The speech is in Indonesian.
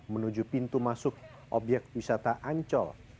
menuju pintu masuk obyek wisata ancol